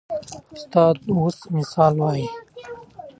استاد اوس مثال وایي.